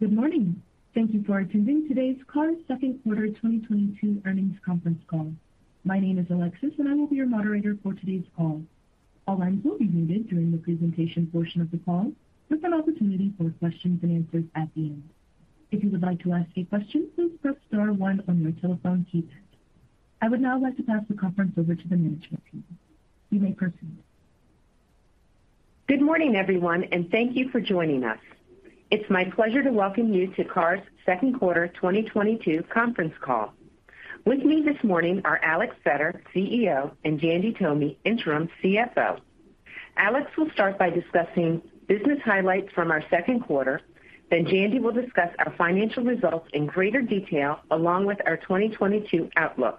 Good morning. Thank you for attending today's CARS Q2 2022 Earnings Conference Call. My name is Alexis, and I will be your moderator for today's call. All lines will be muted during the presentation portion of the call with an opportunity for questions and answers at the end. If you would like to ask a question, please press Star one on your telephone keypad. I would now like to pass the conference over to the management team. You may proceed. Good morning, everyone, and thank you for joining us. It's my pleasure to welcome you to CARS Q2 2022 Conference Call. With me this morning are Alex Vetter, CEO, and Jandy Tomy, Interim CFO. Alex will start by discussing business highlights from our Q2, then Jandy will discuss our financial results in greater detail along with our 2022 outlook.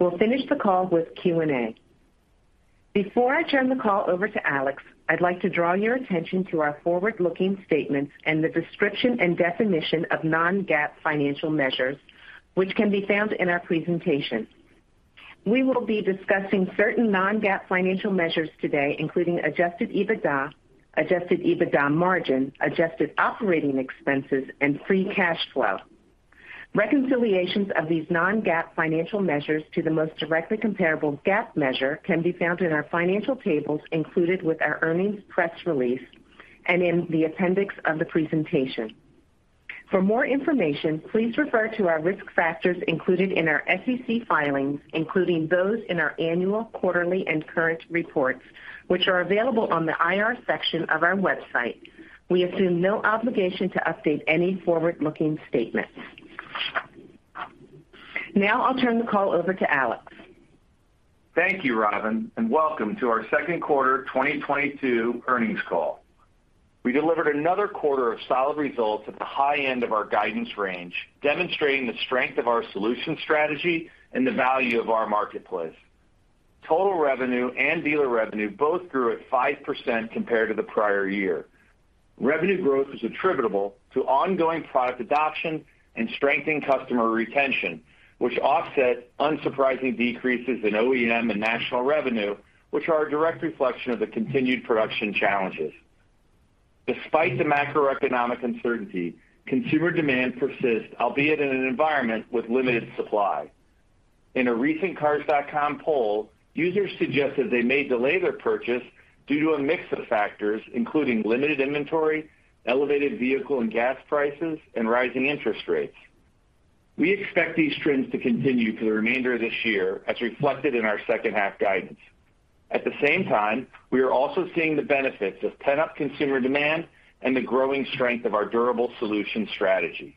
We'll finish the call with Q&A. Before I turn the call over to Alex, I'd like to draw your attention to our forward-looking statements and the description and definition of non-GAAP financial measures, which can be found in our presentation. We will be discussing certain non-GAAP financial measures today, including Adjusted EBITDA, Adjusted EBITDA margin, adjusted operating expenses, and Free Cash Flow. Reconciliations of these non-GAAP financial measures to the most directly comparable GAAP measure can be found in our financial tables included with our earnings press release and in the appendix of the presentation. For more information, please refer to our risk factors included in our SEC filings, including those in our annual, quarterly, and current reports, which are available on the IR section of our website. We assume no obligation to update any forward-looking statements. Now I'll turn the call over to Alex. Thank you, Robin, and welcome to our Q2 2022 Earnings Call. We delivered another quarter of solid results at the high end of our guidance range, demonstrating the strength of our solution strategy and the value of our marketplace. Total revenue and dealer revenue both grew at 5% compared to the prior year. Revenue growth was attributable to ongoing product adoption and strengthening customer retention, which offset unsurprising decreases in OEM and national revenue, which are a direct reflection of the continued production challenges. Despite the macroeconomic uncertainty, consumer demand persists, albeit in an environment with limited supply. In a recent Cars.com poll, users suggested they may delay their purchase due to a mix of factors, including limited inventory, elevated vehicle and gas prices, and rising interest rates. We expect these trends to continue for the remainder of this year, as reflected in our second half guidance. At the same time, we are also seeing the benefits of pent-up consumer demand and the growing strength of our durable solutions strategy.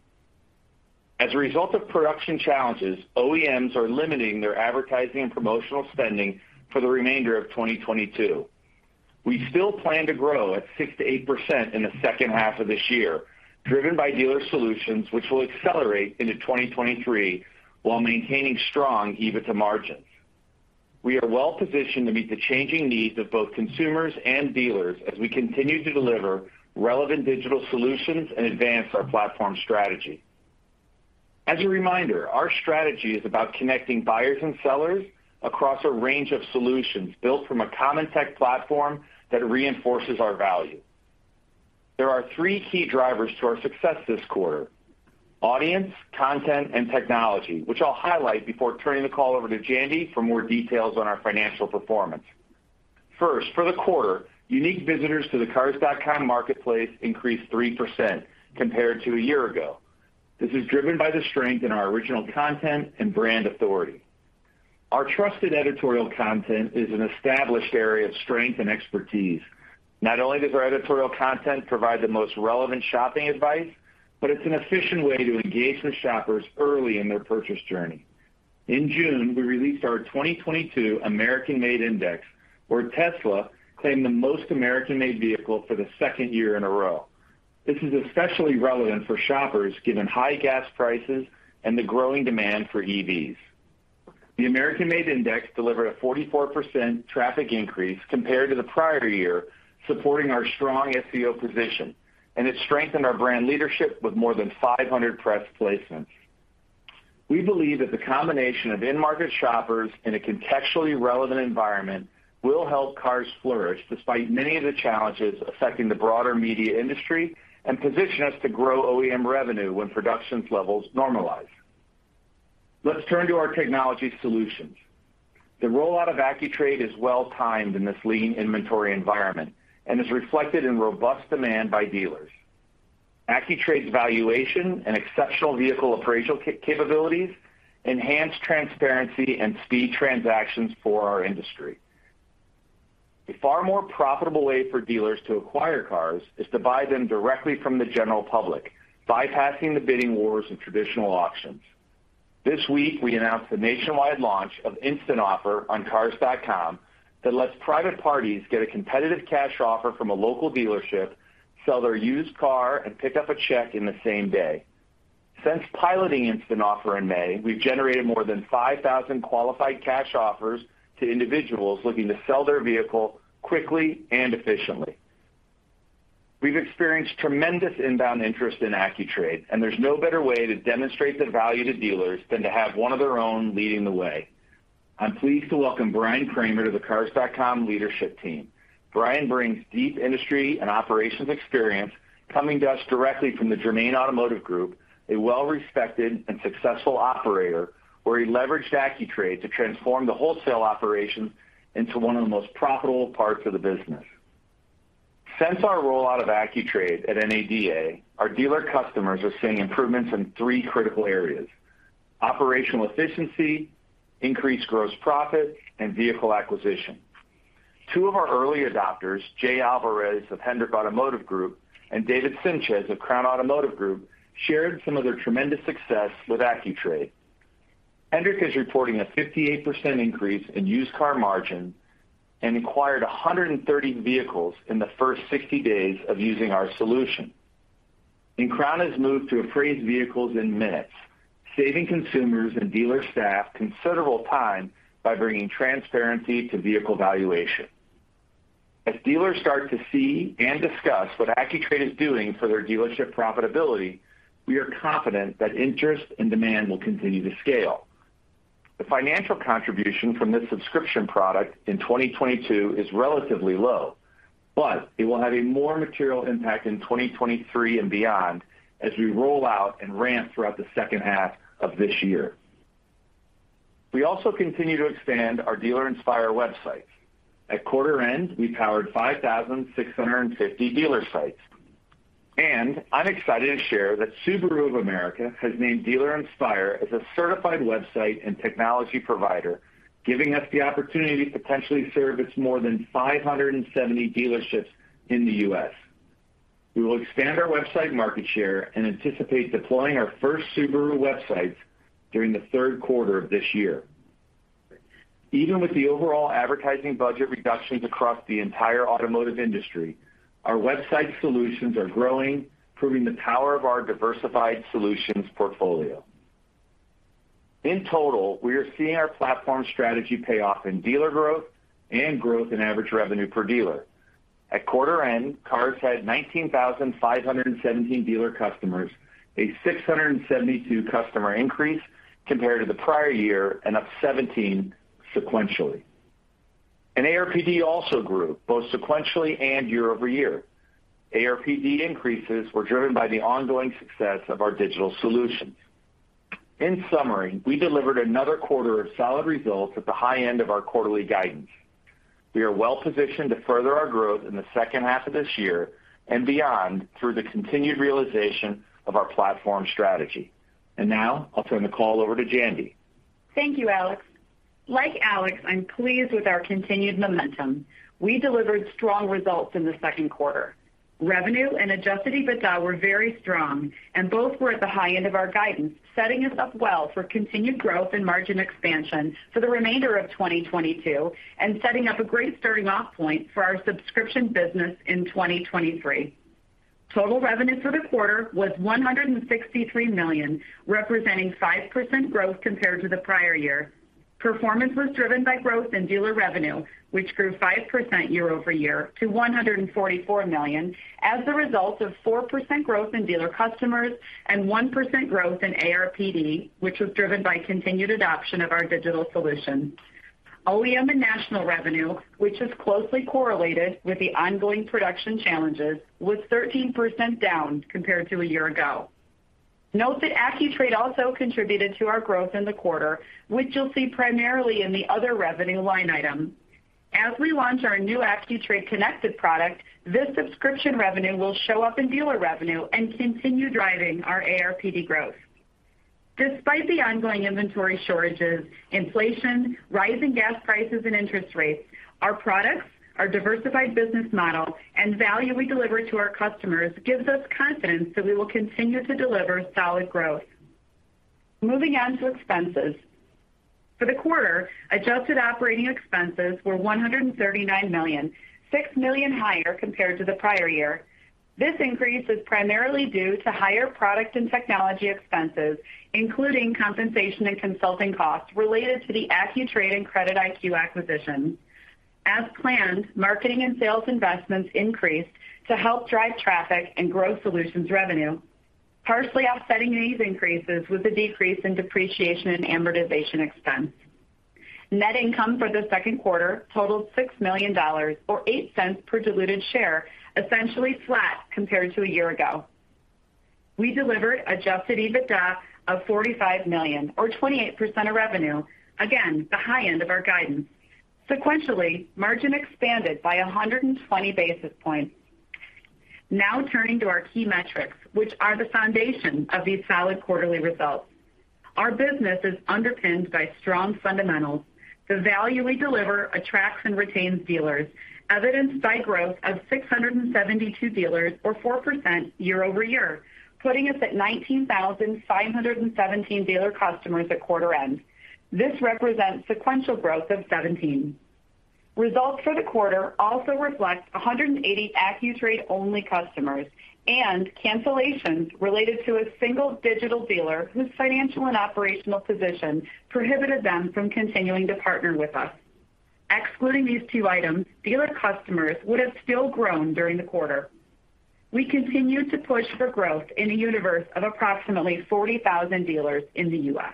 As a result of production challenges, OEMs are limiting their advertising and promotional spending for the remainder of 2022. We still plan to grow at 6%-8% in the second half of this year, driven by dealer solutions which will accelerate into 2023 while maintaining strong EBITDA margins. We are well positioned to meet the changing needs of both consumers and dealers as we continue to deliver relevant digital solutions and advance our platform strategy. As a reminder, our strategy is about connecting buyers and sellers across a range of solutions built from a common tech platform that reinforces our value. There are three key drivers to our success this quarter, audience, content, and technology, which I'll highlight before turning the call over to Jandy for more details on our financial performance. First, for the quarter, unique visitors to the Cars.com marketplace increased 3% compared to a year ago. This is driven by the strength in our original content and brand authority. Our trusted editorial content is an established area of strength and expertise. Not only does our editorial content provide the most relevant shopping advice, but it's an efficient way to engage with shoppers early in their purchase journey. In June, we released our 2022 American-Made Index, where Tesla claimed the most American-made vehicle for the second year in a row. This is especially relevant for shoppers given high gas prices and the growing demand for EVs. The American-Made Index delivered a 44% traffic increase compared to the prior year, supporting our strong SEO position, and it strengthened our brand leadership with more than 500 press placements. We believe that the combination of in-market shoppers in a contextually relevant environment will help Cars flourish despite many of the challenges affecting the broader media industry and position us to grow OEM revenue when production levels normalize. Let's turn to our technology solutions. The rollout of AccuTrade is well timed in this lean inventory environment and is reflected in robust demand by dealers. AccuTrade's valuation and exceptional vehicle appraisal capabilities enhance transparency and speed transactions for our industry. A far more profitable way for dealers to acquire cars is to buy them directly from the general public, bypassing the bidding wars in traditional auctions. This week, we announced the nationwide launch of Instant Offer on Cars.com that lets private parties get a competitive cash offer from a local dealership, sell their used car, and pick-up a check in the same day. Since piloting Instant Offer in May, we've generated more than 5,000 qualified cash offers to individuals looking to sell their vehicle quickly and efficiently. We've experienced tremendous inbound interest in AccuTrade, and there's no better way to demonstrate the value to dealers than to have one of their own leading the way. I'm pleased to welcome Brian Kramer to the Cars.com leadership team. Brian brings deep industry and operations experience coming to us directly from the Germain Automotive Group, a well-respected and successful operator, where he leveraged AccuTrade to transform the wholesale operation into one of the most profitable parts of the business. Since our rollout of AccuTrade at NADA, our dealer customers are seeing improvements in three critical areas, operational efficiency, increased gross profit, and vehicle acquisition. Two of our early adopters, Jerry Alvarez of Hendrick Automotive Group, and David Simches of Crown Automotive Group, shared some of their tremendous success with AccuTrade. Hendrick is reporting a 58% increase in used car margin and acquired 130 vehicles in the first 60 days of using our solution. Crown has moved to appraise vehicles in minutes, saving consumers and dealer staff considerable time by bringing transparency to vehicle valuation. As dealers start to see and discuss what AccuTrade is doing for their dealership profitability, we are confident that interest and demand will continue to scale. The financial contribution from this subscription product in 2022 is relatively low, but it will have a more material impact in 2023 and beyond as we roll out and ramp throughout the second half of this year. We also continue to expand our Dealer Inspire websites. At quarter end, we powered 5,650 dealer sites. I'm excited to share that Subaru of America has named Dealer Inspire as a certified website and technology provider, giving us the opportunity to potentially serve its more than 570 dealerships in the U.S. We will expand our website market share and anticipate deploying our first Subaru websites during the Q3 of this year. Even with the overall advertising budget reductions across the entire automotive industry, our website solutions are growing, proving the power of our diversified solutions portfolio. In total, we are seeing our platform strategy pay off in dealer growth and growth in average revenue per dealer. At quarter end, Cars had 19,517 dealer customers, a 672 customer increase compared to the prior year and up 17 sequentially. ARPD also grew, both sequentially and year-over-year. ARPD increases were driven by the ongoing success of our digital solutions. In summary, we delivered another quarter of solid results at the high end of our quarterly guidance. We are well positioned to further our growth in the second half of this year and beyond through the continued realization of our platform strategy. Now I'll turn the call over to Jandy. Thank you, Alex. Like Alex, I'm pleased with our continued momentum. We delivered strong results in the Q2. Revenue and Adjusted EBITDA were very strong, and both were at the high end of our guidance, setting us up well for continued growth and margin expansion for the remainder of 2022 and setting up a great starting off point for our subscription business in 2023. Total revenue for the quarter was $163 million, representing 5% growth compared to the prior year. Performance was driven by growth in dealer revenue, which grew 5% year-over-year to $144 million as a result of 4% growth in dealer customers and 1% growth in ARPD, which was driven by continued adoption of our digital solutions. OEM and national revenue, which is closely correlated with the ongoing production challenges, was 13% down compared to a year ago. Note that AccuTrade also contributed to our growth in the quarter, which you'll see primarily in the other revenue line item. As we launch our new AccuTrade connected product, this subscription revenue will show up in dealer revenue and continue driving our ARPD growth. Despite the ongoing inventory shortages, inflation, rising gas prices, and interest rates, our products, our diversified business model, and value we deliver to our customers gives us confidence that we will continue to deliver solid growth. Moving on to expenses. For the quarter, adjusted operating expenses were $139 million, $6 million higher compared to the prior year. This increase is primarily due to higher product and technology expenses, including compensation and consulting costs related to the AccuTrade and CreditIQ acquisitions. As planned, marketing and sales investments increased to help drive traffic and growth solutions revenue, partially offsetting these increases with a decrease in depreciation and amortization expense. Net income for the Q2 totaled $6 million or $0.08 per diluted share, essentially flat compared to a year ago. We delivered Adjusted EBITDA of $45 million or 28% of revenue. Again, the high end of our guidance. Sequentially, margin expanded by 120 basis points. Now turning to our key metrics, which are the foundation of these solid quarterly results. Our business is underpinned by strong fundamentals. The value we deliver attracts and retains dealers, evidenced by growth of 672 dealers or 4% year-over-year, putting us at 19,517 dealer customers at quarter end. This represents sequential growth of 17. Results for the quarter also reflect 180 AccuTrade-only customers and cancellations related to a single digital dealer whose financial and operational position prohibited them from continuing to partner with us. Excluding these two items, dealer customers would have still grown during the quarter. We continue to push for growth in a universe of approximately 40,000 dealers in the U.S.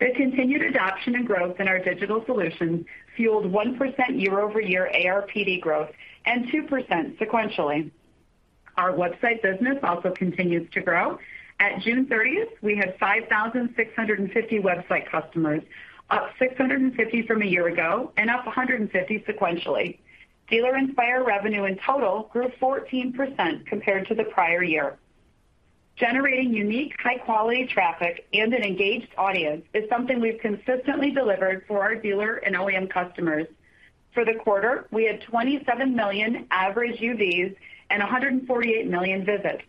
The continued adoption and growth in our digital solutions fueled 1% year-over-year ARPD growth and 2% sequentially. Our website business also continues to grow. At June 30, we had 5,650 website customers, up 650 from a year ago and up 150 sequentially. Dealer Inspire revenue in total grew 14% compared to the prior year. Generating unique high-quality traffic and an engaged audience is something we've consistently delivered for our dealer and OEM customers. For the quarter, we had 27 million average UVs and 148 million visits.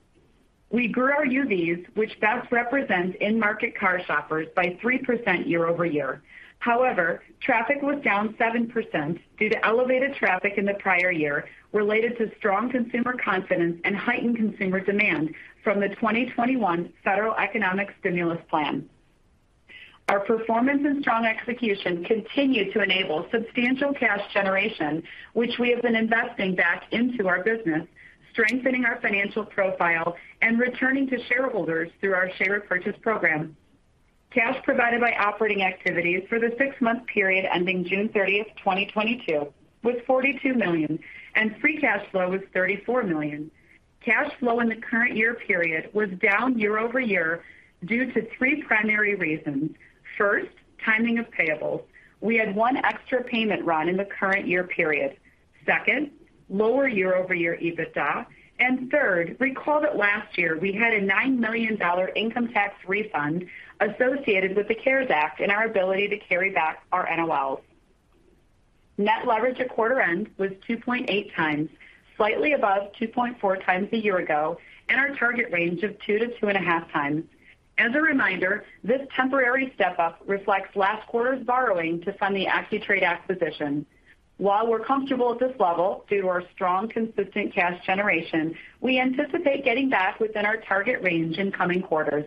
We grew our UVs, which best represents in-market car shoppers, by 3% year-over-year. However, traffic was down 7% due to elevated traffic in the prior year, related to strong consumer confidence and heightened consumer demand from the 2021 federal economic stimulus plan. Our performance and strong execution continue to enable substantial cash generation, which we have been investing back into our business, strengthening our financial profile and returning to shareholders through our share repurchase program. Cash provided by operating activities for the six-month period ending June 30, 2022 was $42 million, and Free Cash Flow was $34 million. Cash flow in the current year period was down year-over-year due to three primary reasons. First, timing of payables. We had one extra payment run in the current year period. Second, lower year-over-year EBITDA. Third, recall that last year we had a $9 million income tax refund associated with the CARES Act and our ability to carry back our NOLs. Net leverage at quarter end was 2.8 times, slightly above 2.4 times a year ago, and our target range of 2-2.5 times. As a reminder, this temporary step-up reflects last quarter's borrowing to fund the AccuTrade acquisition. While we're comfortable at this level due to our strong, consistent cash generation, we anticipate getting back within our target range in coming quarters.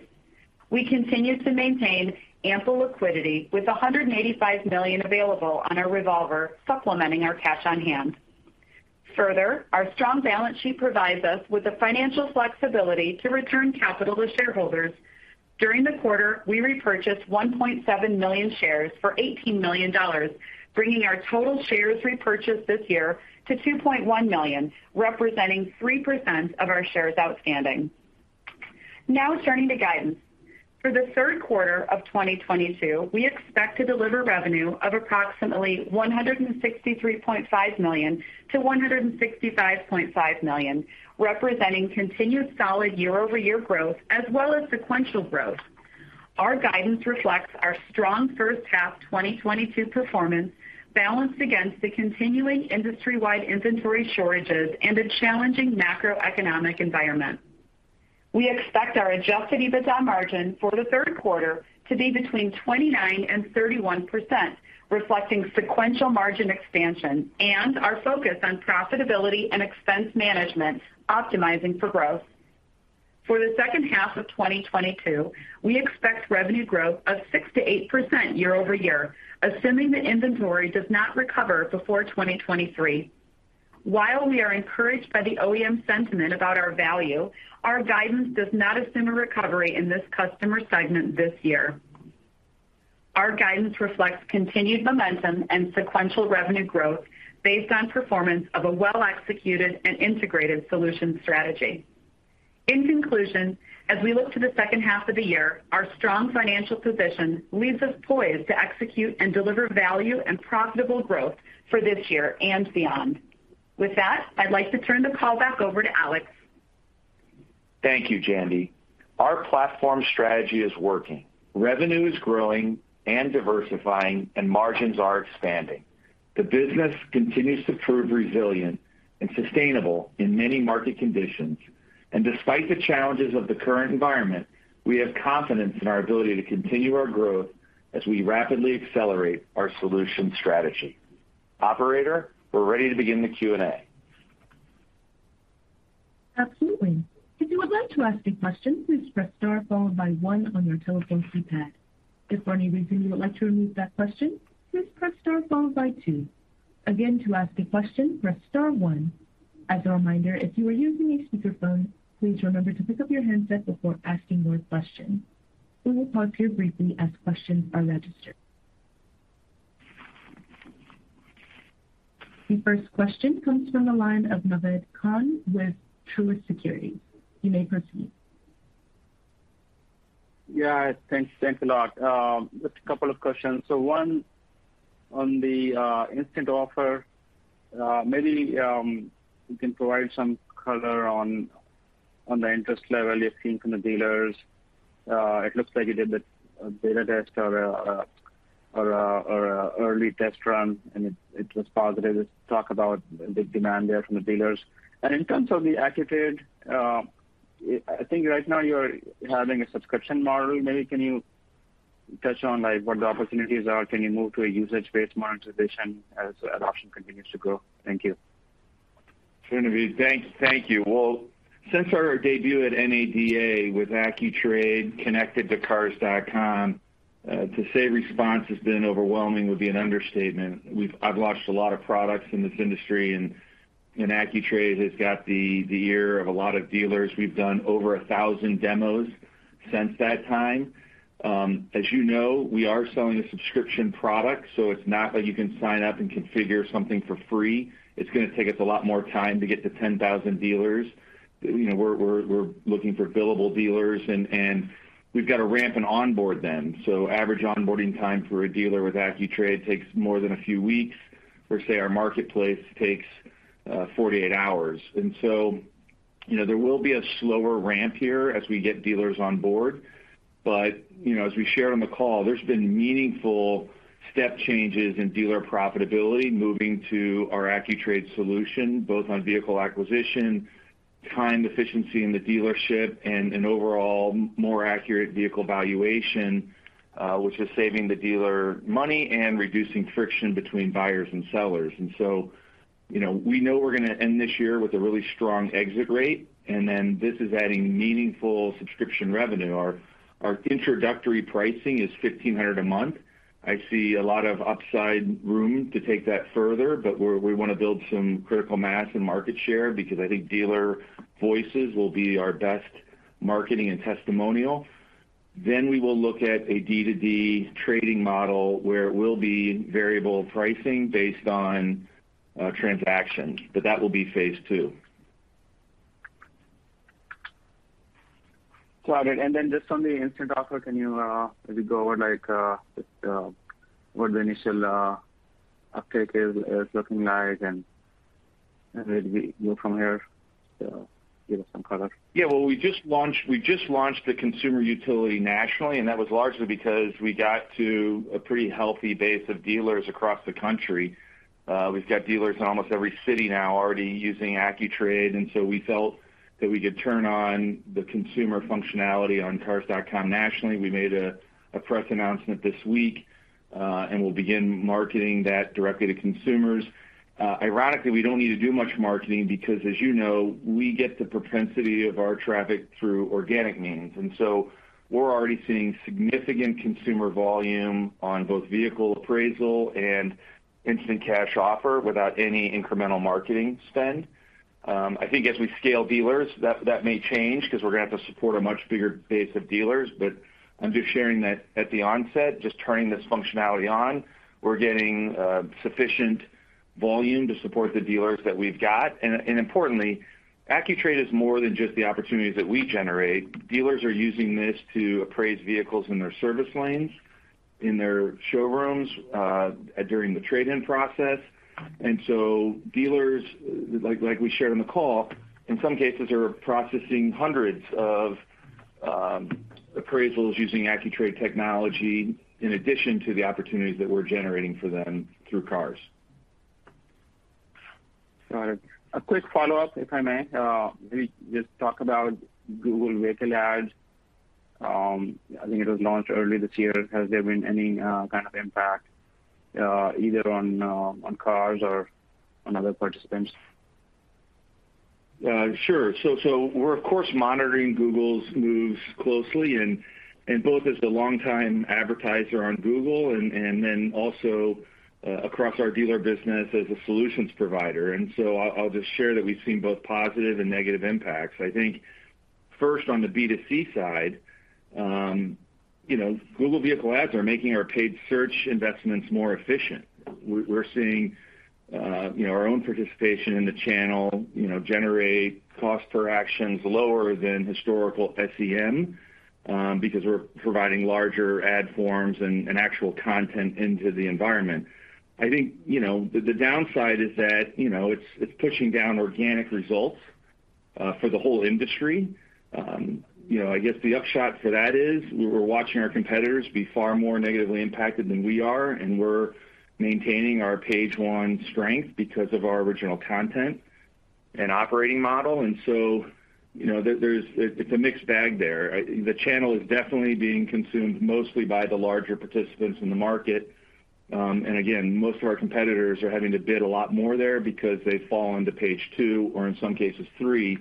We continue to maintain ample liquidity with $185 million available on our revolver, supplementing our cash on hand. Further, our strong balance sheet provides us with the financial flexibility to return capital to shareholders. During the quarter, we repurchased 1.7 million shares for $18 million, bringing our total shares repurchased this year to 2.1 million, representing 3% of our shares outstanding. Now turning to guidance. For the Q3 of 2022, we expect to deliver revenue of approximately $163.5 million-$165.5 million, representing continued solid year-over-year growth as well as sequential growth. Our guidance reflects our strong first half 2022 performance balanced against the continuing industry-wide inventory shortages and a challenging macroeconomic environment. We expect our Adjusted EBITDA margin for the Q3 to be between 29% and 31%, reflecting sequential margin expansion and our focus on profitability and expense management, optimizing for growth. For the second half of 2022, we expect revenue growth of 6%-8% year-over-year, assuming that inventory does not recover before 2023. While we are encouraged by the OEM sentiment about our value, our guidance does not assume a recovery in this customer segment this year. Our guidance reflects continued momentum and sequential revenue growth based on performance of a well-executed and integrated solution strategy. In conclusion, as we look to the second half of the year, our strong financial position leaves us poised to execute and deliver value and profitable growth for this year and beyond. With that, I'd like to turn the call back over to Alex. Thank you, Jandy. Our platform strategy is working. Revenue is growing and diversifying, and margins are expanding. The business continues to prove resilient and sustainable in many market conditions. Despite the challenges of the current environment, we have confidence in our ability to continue our growth as we rapidly accelerate our solution strategy. Operator, we're ready to begin the Q&A. Absolutely. If you would like to ask a question, please press Star followed by one on your telephone keypad. If for any reason you would like to remove that question, please press Star followed by two. Again, to ask a question, press star one. As a reminder, if you are using a speakerphone, please remember to pick-up your handset before asking your question. We will pause here briefly as questions are registered. The first question comes from the line of Naved Khan with Truist Securities. You may proceed. Yeah, thanks. Thanks a lot. Just a couple of questions. One on the Instant Offer. Maybe you can provide some color on the interest level you're seeing from the dealers. It looks like you did the beta test or an early test run, and it was positive. Talk about the demand there from the dealers. In terms of the AccuTrade, I think right now you're having a subscription model. Maybe can you touch on, like, what the opportunities are? Can you move to a usage-based monetization as adoption continues to grow? Thank you. Sure, Naved. Thank you. Well, since our debut at NADA with AccuTrade connected to Cars.com, to say response has been overwhelming would be an understatement. I've launched a lot of products in this industry and AccuTrade has got the ear of a lot of dealers. We've done over 1,000 demos since that time. As you know, we are selling a subscription product, so it's not like you can sign-up and configure something for free. It's gonna take us a lot more time to get to 10,000 dealers. You know, we're looking for billable dealers and we've got to ramp and onboard them. Average onboarding time for a dealer with AccuTrade takes more than a few weeks, whereas, say, our marketplace takes 48 hours. you know, there will be a slower ramp here as we get dealers on board. you know, as we shared on the call, there's been meaningful step changes in dealer profitability moving to our AccuTrade solution, both on vehicle acquisition, time efficiency in the dealership, and an overall more accurate vehicle valuation, which is saving the dealer money and reducing friction between buyers and sellers. you know, we know we're gonna end this year with a really strong exit rate, and then this is adding meaningful subscription revenue. Our introductory pricing is $1,500 a month. I see a lot of upside room to take that further, but we wanna build some critical mass and market share because I think dealer voices will be our best marketing and testimonial. We will look at a D2D trading model where it will be variable pricing based on transactions, but that will be phase two. Got it. Just on the Instant Offer, can you maybe go over like just what the initial uptake is looking like and where do we go from here to give us some color? Yeah. Well, we just launched the consumer utility nationally, and that was largely because we got to a pretty healthy base of dealers across the country. We've got dealers in almost every city now already using AccuTrade, and so we felt that we could turn on the consumer functionality on Cars.com nationally. We made a press announcement this week, and we'll begin marketing that directly to consumers. Ironically, we don't need to do much marketing because, as you know, we get the percentage of our traffic through organic means. We're already seeing significant consumer volume on both vehicle appraisal and Instant Offer without any incremental marketing spend. I think as we scale dealers, that may change 'cause we're gonna have to support a much bigger base of dealers. I'm just sharing that at the onset, just turning this functionality on, we're getting sufficient volume to support the dealers that we've got. Importantly, AccuTrade is more than just the opportunities that we generate. Dealers are using this to appraise vehicles in their service lanes, in their showrooms, during the trade-in process. Dealers, like we shared on the call, in some cases are processing hundreds of appraisals using AccuTrade technology in addition to the opportunities that we're generating for them through Cars.com. Got it. A quick follow-up, if I may. Maybe just talk about Google Vehicle Ads. I think it was launched earlier this year. Has there been any kind of impact either on cars or on other participants? Sure. We're of course monitoring Google's moves closely and both as a longtime advertiser on Google and then also across our dealer business as a solutions provider. I'll just share that we've seen both positive and negative impacts. I think first on the B2C side, you know, Google Vehicle Ads are making our paid search investments more efficient. We're seeing, you know, our own participation in the channel, you know, generate cost per actions lower than historical SEM, because we're providing larger ad forms and actual content into the environment. I think, you know, the downside is that, you know, it's pushing down organic results for the whole industry. You know, I guess the upshot for that is we were watching our competitors be far more negatively impacted than we are, and we're maintaining our page one strength because of our original content and operating model. You know, it's a mixed bag there. The channel is definitely being consumed mostly by the larger participants in the market. Again, most of our competitors are having to bid a lot more there because they fall into page two or in some cases three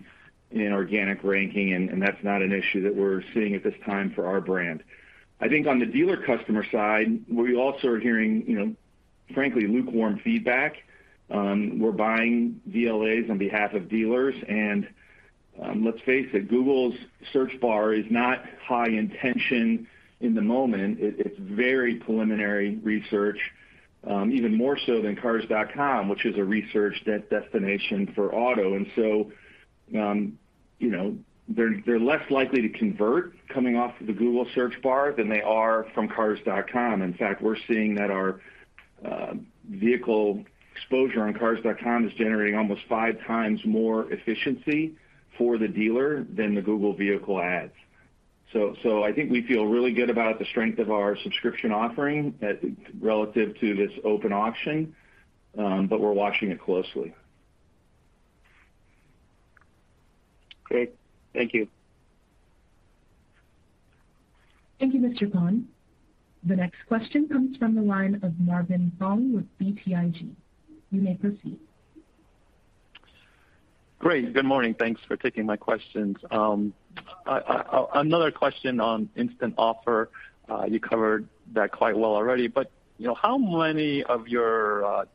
in organic ranking, and that's not an issue that we're seeing at this time for our brand. I think on the dealer customer side, we also are hearing, you know, frankly lukewarm feedback. We're buying VLAs on behalf of dealers. Let's face it, Google's search bar is not high intention in the moment. It's very preliminary research, even more so than Cars.com, which is a research destination for auto. They're less likely to convert coming off of the Google search bar than they are from Cars.com. In fact, we're seeing that our vehicle exposure on Cars.com is generating almost five times more efficiency for the dealer than the Google Vehicle Ads. So I think we feel really good about the strength of our subscription offering as relative to this open auction, but we're watching it closely. Great. Thank you. Thank you, Mr. Khan. The next question comes from the line of Marvin Fong with BTIG. You may proceed. Great. Good morning. Thanks for taking my questions. Another question on Instant Offer. You covered that quite well already, but, you know, how many of your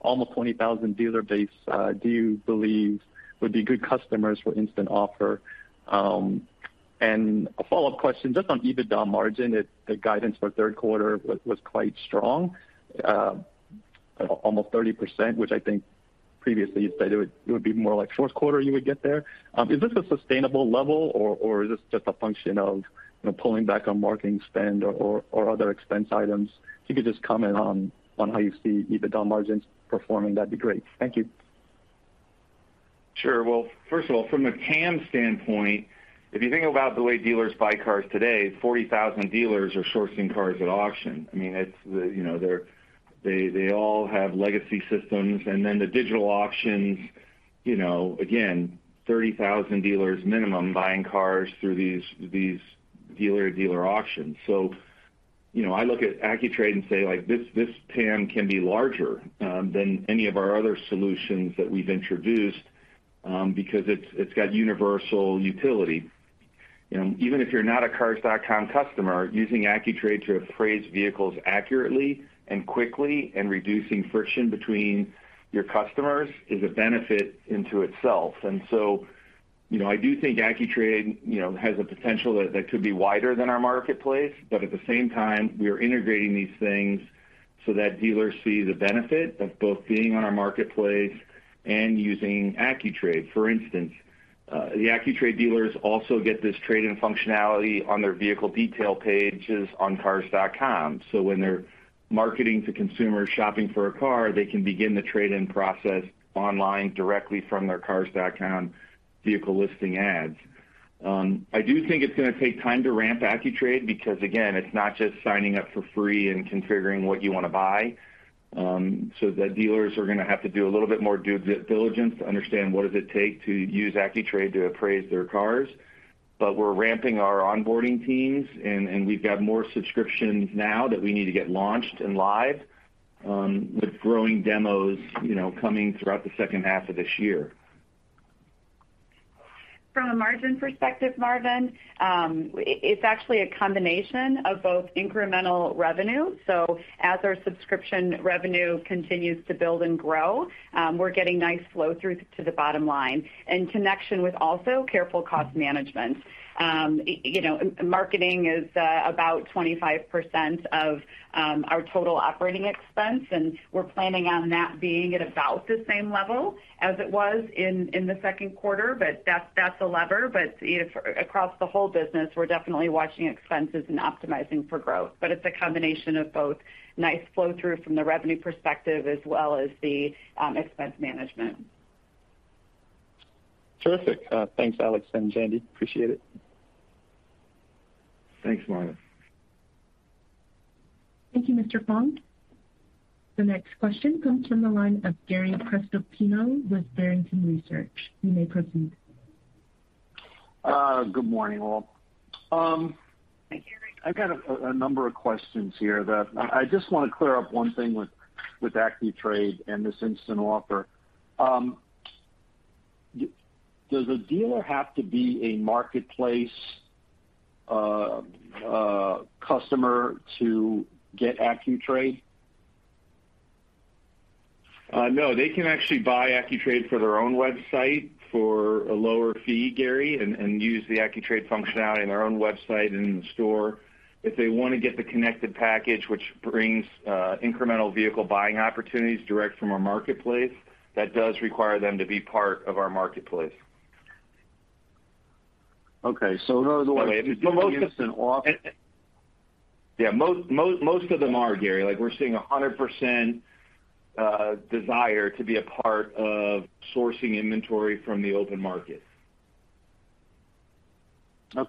almost 20,000 dealer base do you believe would be good customers for Instant Offer? And a follow-up question just on EBITDA margin. The guidance for Q3 was quite strong, almost 30%, which I think previously you said it would be more like Q4 you would get there. Is this a sustainable level or is this just a function of, you know, pulling back on marketing spend or other expense items? If you could just comment on how you see EBITDA margins performing, that'd be great. Thank you. Sure. Well, first of all, from a TAM standpoint, if you think about the way dealers buy cars today, 40,000 dealers are sourcing cars at auction. I mean, it's the, you know, they all have legacy systems. Then the digital auctions, you know, again, 30,000 dealers minimum buying cars through these dealer-to-dealer auctions. So, you know, I look at AccuTrade and say, like, this TAM can be larger than any of our other solutions that we've introduced because it's got universal utility. You know, even if you're not a Cars.com customer, using AccuTrade to appraise vehicles accurately and quickly and reducing friction between your customers is a benefit in itself. So, you know, I do think AccuTrade has a potential that could be wider than our marketplace. At the same time, we are integrating these things so that dealers see the benefit of both being on our marketplace and using AccuTrade. For instance, the AccuTrade dealers also get this trade-in functionality on their vehicle detail pages on Cars.com. So when they're marketing to consumers shopping for a car, they can begin the trade-in process online directly from their Cars.com Vehicle Listing Ads. I do think it's gonna take time to ramp AccuTrade because, again, it's not just signing-up for free and configuring what you wanna buy, so the dealers are gonna have to do a little bit more due diligence to understand what does it take to use AccuTrade to appraise their cars. We're ramping our onboarding teams and we've got more subscriptions now that we need to get launched and live, with growing demos, you know, coming throughout the second half of this year. From a margin perspective, Marvin, it's actually a combination of both incremental revenue. As our subscription revenue continues to build and grow, we're getting nice flow-through to the bottom line in connection with also careful cost management. You know, marketing is about 25% of our total operating expense, and we're planning on that being at about the same level as it was in the Q2. That's a lever. You know, across the whole business, we're definitely watching expenses and optimizing for growth. It's a combination of both nice flow-through from the revenue perspective as well as the expense management. Terrific. Thanks, Alex and Jandy. Appreciate it. Thanks, Marvin. Thank you, Mr. Fong. The next question comes from the line of Gary Prestopino with Barrington Research. You may proceed. Good morning, all. Hi, Gary. I've got a number of questions here that I just wanna clear up one thing with AccuTrade and this Instant Offer. Does the dealer have to be a marketplace customer to get AccuTrade? No. They can actually buy AccuTrade for their own website for a lower fee, Gary, and use the AccuTrade functionality on their own website and in the store. If they wanna get the connected package, which brings incremental vehicle buying opportunities direct from our marketplace, that does require them to be part of our marketplace. Okay. In other words. But most of- The Instant Offer. Yeah, most of them are, Gary. Like, we're seeing 100% desire to be a part of sourcing inventory from the open market. Well,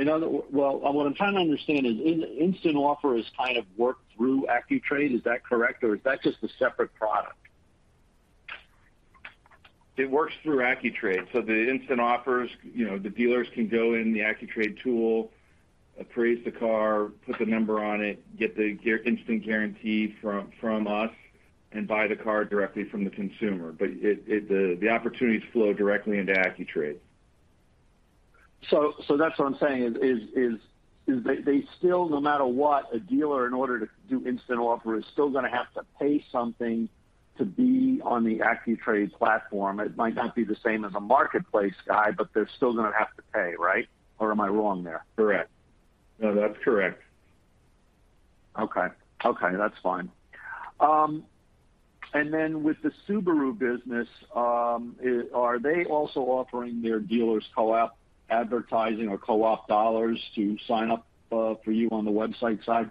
what I'm trying to understand is Instant Offer is kind of worked through AccuTrade. Is that correct, or is that just a separate product? It works through AccuTrade. The Instant Offers, you know, the dealers can go in the AccuTrade tool, appraise the car, put the number on it, get the instant guarantee from us, and buy the car directly from the consumer. The opportunities flow directly into AccuTrade. That's what I'm saying is they still no matter what a dealer in order to do Instant Offer is still gonna have to pay something to be on the AccuTrade platform. It might not be the same as a marketplace guy, but they're still gonna have to pay, right? Or am I wrong there? Correct. No, that's correct. Okay. Okay, that's fine. With the Subaru business, are they also offering their dealers co-op advertising or co-op dollars to sign-up for you on the website side?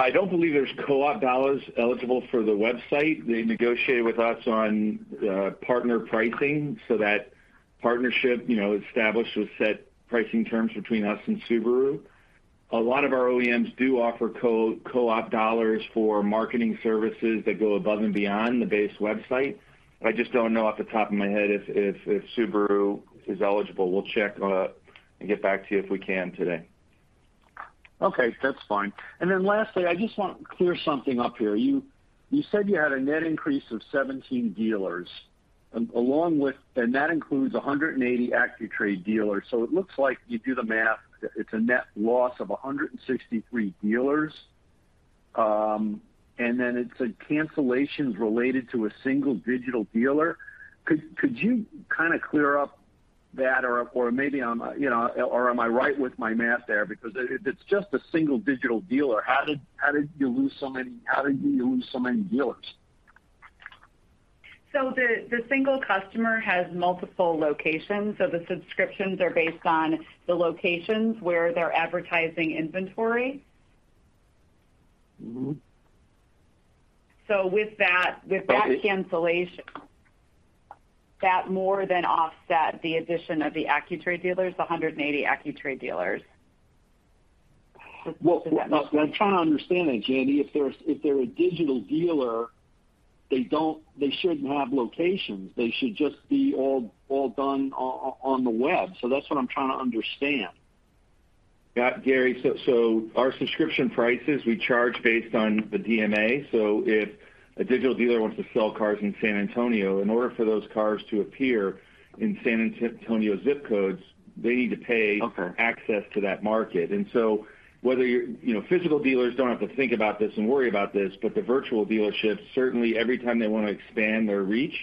I don't believe there's co-op dollars eligible for the website. They negotiate with us on partner pricing. That partnership, you know, established with set pricing terms between us and Subaru. A lot of our OEMs do offer co-op dollars for marketing services that go above and beyond the base website. I just don't know off the top of my head if Subaru is eligible. We'll check and get back to you if we can today. Okay, that's fine. Lastly, I just want to clear something up here. You said you had a net increase of 17 dealers and that includes 180 AccuTrade dealers. It looks like you do the math, it's a net loss of 163 dealers. It said cancellations related to a single digital dealer. Could you kind of clear up that or maybe I'm, you know. Or am I right with my math there? Because if it's just a single digital dealer, how did you lose so many dealers? The single customer has multiple locations. The subscriptions are based on the locations where they're advertising inventory. Mm-hmm. With that cancellation, that more than offset the addition of the AccuTrade dealers, the 180 AccuTrade dealers. Well, I'm trying to understand that, Jandy. If they're a digital dealer, they shouldn't have locations. They should just be all done on the web. That's what I'm trying to understand. Yeah, Gary. Our subscription prices we charge based on the DMA. If a digital dealer wants to sell cars in San Antonio, in order for those cars to appear in San Antonio's zip codes, they need to pay. Okay. access to that market. Whether you're, you know, physical dealers don't have to think about this and worry about this, but the virtual dealerships, certainly every time they want to expand their reach,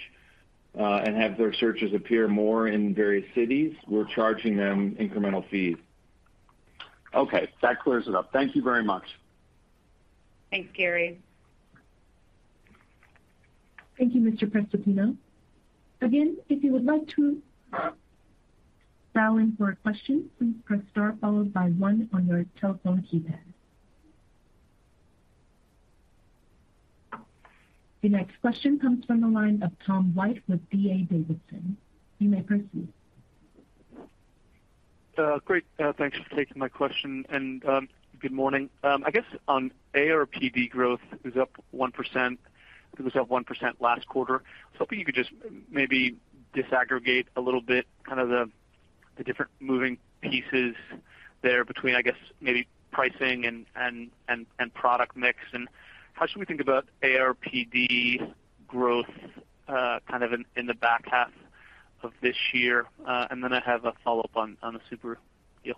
and have their searches appear more in various cities, we're charging them incremental fees. Okay, that clears it up. Thank you very much. Thanks, Gary. Thank you, Mr. Prestopino. Again, if you would like to dial in for a question, please press Star followed by one on your telephone keypad. The next question comes from the line of Tom White with D.A. Davidson. You may proceed. Great. Thanks for taking my question and good morning. I guess on ARPD growth is up 1%. It was up 1% last quarter. I was hoping you could just maybe disaggregate a little bit kind of the different moving pieces there between, I guess, maybe pricing and product mix. How should we think about ARPD growth kind of in the back half of this year? And then I have a follow-up on the Subaru deal.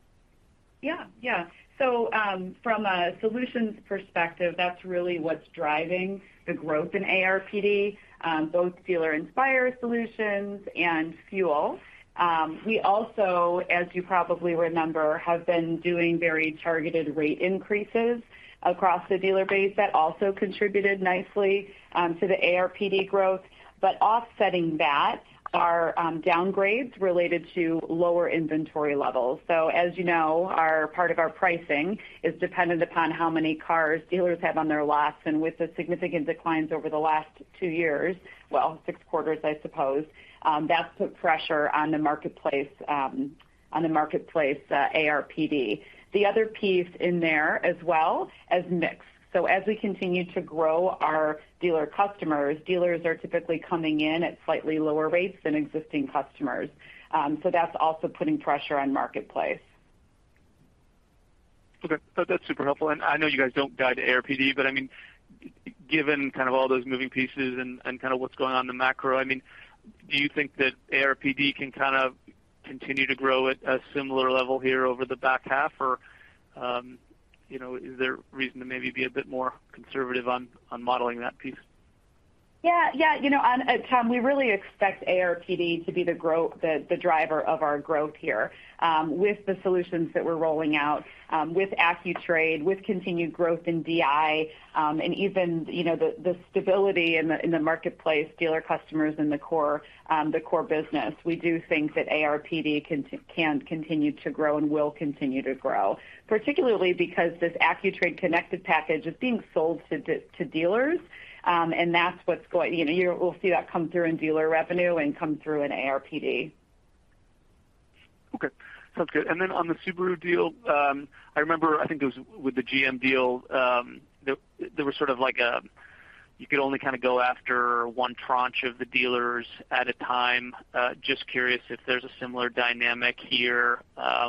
Yeah. From a solutions perspective, that's really what's driving the growth in ARPD, both Dealer Inspire solutions and FUEL. We also, as you probably remember, have been doing very targeted rate increases across the dealer base. That also contributed nicely to the ARPD growth. Offsetting that are downgrades related to lower inventory levels. As you know, part of our pricing is dependent upon how many cars dealers have on their lots. With the significant declines over the last two years, well, six quarters, I suppose, that's put pressure on the Marketplace ARPD. The other piece in there as well is mix. As we continue to grow our dealer customers, dealers are typically coming in at slightly lower rates than existing customers. That's also putting pressure on Marketplace. Okay. That's super helpful. I know you guys don't guide to ARPD, but I mean, given kind of all those moving pieces and kind of what's going on in the macro, I mean, do you think that ARPD can kind of continue to grow at a similar level here over the back half? Or, you know, is there reason to maybe be a bit more conservative on modeling that piece? Yeah, yeah. You know, Tom, we really expect ARPD to be the driver of our growth here, with the solutions that we're rolling out, with AccuTrade, with continued growth in DI, and even the stability in the Marketplace dealer customers in the core business. We do think that ARPD can continue to grow and will continue to grow, particularly because this AccuTrade connected package is being sold to dealers. That's what's going. You know, we'll see that come through in dealer revenue and come through in ARPD. Okay, sounds good. On the Subaru deal, I remember, I think it was with the GM deal, there was sort of like a, you could only kind of go after one tranche of the dealers at a time. Just curious if there's a similar dynamic here,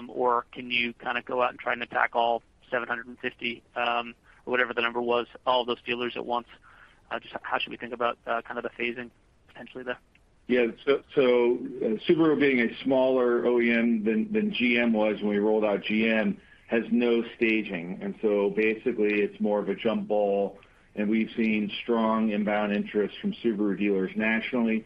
or can you kind of go out and try and attack all 750, whatever the number was, all those dealers at once? Just how should we think about kind of the phasing potentially there? Yeah. Subaru being a smaller OEM than GM was when we rolled out GM, has no staging. Basically, it's more of a jumble, and we've seen strong inbound interest from Subaru dealers nationally.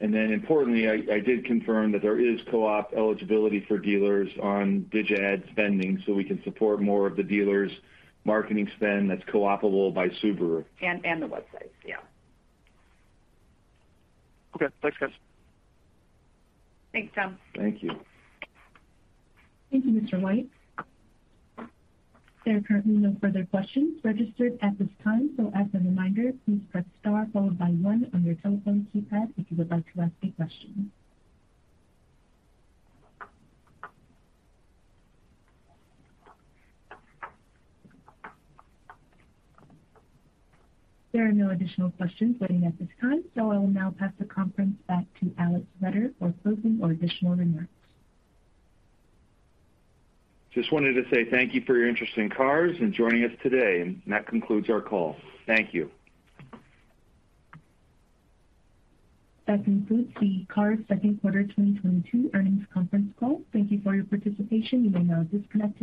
Importantly, I did confirm that there is co-op eligibility for dealers on digital ad spending, so we can support more of the dealers' marketing spend that's co-opable by Subaru. the websites, yeah. Okay. Thanks, guys. Thanks, Tom. Thank you. Thank you, Mr. White. There are currently no further questions registered at this time. As a reminder, please press Star followed by one on your telephone keypad if you would like to ask a question. There are no additional questions waiting at this time, so I will now pass the conference back to Alex Vetter for closing or additional remarks. Just wanted to say thank you for your interest in CARS and joining us today. That concludes our call. Thank you. That concludes the CARS Q2 2022 Earnings Conference Call. Thank you for your participation. You may now disconnect your-